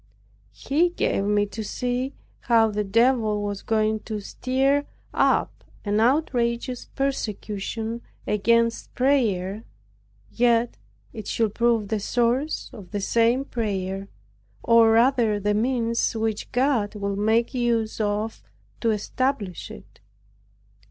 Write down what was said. He gave me to see how the Devil was going to stir up an outrageous persecution against prayer, yet it should prove the source of the same prayer, or rather the means which God would make use of to establish it.